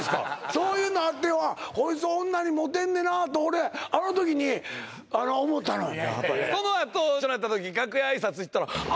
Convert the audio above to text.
そういうのあって「こいつ女にモテんねな」と俺あの時に思ったのよ